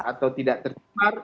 atau tidak tercemar